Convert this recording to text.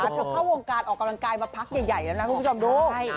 เธอเข้าวงการออกกำลังกายมาพักใหญ่แล้วนะคุณผู้ชมดู